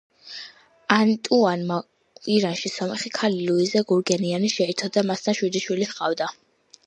ანტუანმა ირანში სომეხი ქალი, ლუიზე გურგენიანი შეირთო და მასთან შვიდი შვილი ჰყავდა.